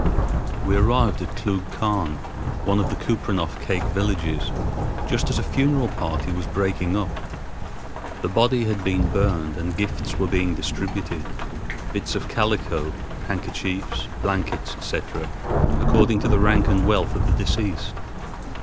We arrived at Klugh Quan, one of the Kupreanof Kake villages, just as a funeral party was breaking up. The body had been burned and gifts were being distributed—bits of calico, handkerchiefs, blankets, etc., according to the rank and wealth of the deceased.